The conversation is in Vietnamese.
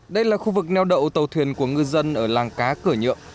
đây là khu vực neo đậu tàu thuyền của ngư dân ở làng cá cửa nhựa